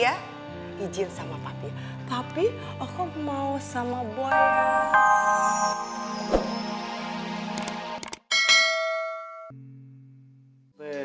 iya ijin sama papi tapi aku mau sama boy